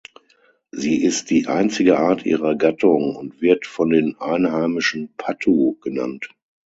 Sie ist die einzige Art ihrer Gattung und wird von den Einheimischen "Pattu" genannt.